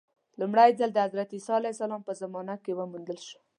لومړی ځل د حضرت عیسی علیه السلام په زمانه کې وموندل شو.